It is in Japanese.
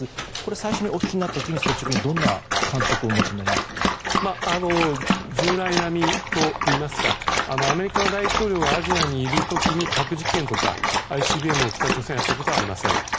最初にお聞きになった時どんな感触を従来並みといいますかアメリカ大統領がアジアにいる時に核実験とかＩＣＢＭを北朝鮮がやったことはありません。